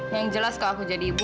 yang jelas kalau aku jadi ibu